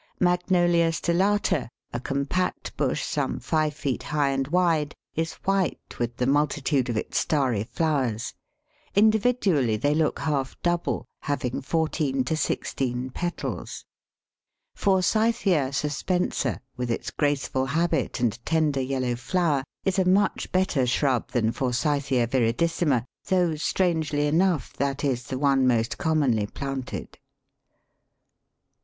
Magnolia stellata, a compact bush some five feet high and wide, is white with the multitude of its starry flowers; individually they look half double, having fourteen to sixteen petals. Forsythia suspensa, with its graceful habit and tender yellow flower, is a much better shrub than F. viridissima, though, strangely enough, that is the one most commonly planted.